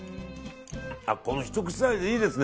このひと口サイズいいですね。